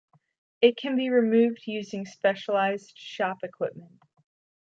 It can be removed using specialized shop equipment.